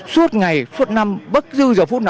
suốt ngày suốt năm bất dư giờ phút